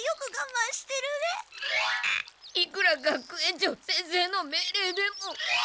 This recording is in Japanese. いくら学園長先生の命れいでも。